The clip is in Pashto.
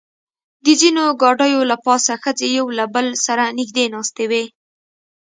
د ځینو ګاډیو له پاسه ښځې یو له بل سره نږدې ناستې وې.